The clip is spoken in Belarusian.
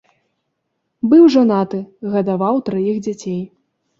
Быў жанаты, гадаваў траіх дзяцей.